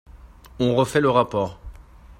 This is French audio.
On refait le rapport